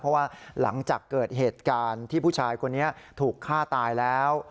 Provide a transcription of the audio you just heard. เพราะว่าหลังจากเกิดเหตุการณ์ที่ผู้ชายคนนี้ถูกฆ่าตายแล้ว